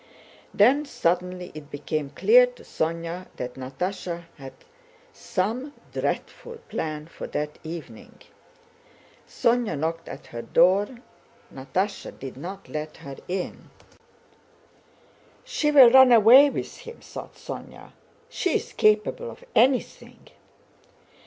Then suddenly it became clear to Sónya that Natásha had some dreadful plan for that evening. Sónya knocked at her door. Natásha did not let her in. "She will run away with him!" thought Sónya. "She is capable of anything.